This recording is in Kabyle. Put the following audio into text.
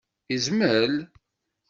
Yezmel?